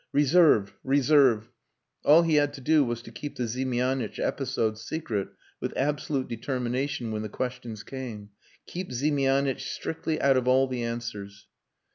Reserve! Reserve! All he had to do was to keep the Ziemianitch episode secret with absolute determination, when the questions came. Keep Ziemianitch strictly out of all the answers.